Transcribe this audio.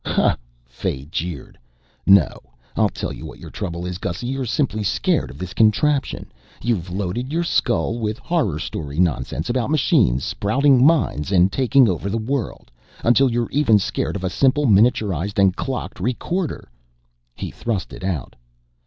"Ha!" Fay jeered. "No, I'll tell you what your trouble is, Gussy. You're simply scared of this contraption. You've loaded your skull with horror story nonsense about machines sprouting minds and taking over the world until you're even scared of a simple miniaturized and clocked recorder." He thrust it out.